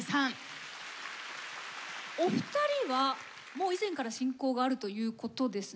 お二人はもう以前から親交があるということですね？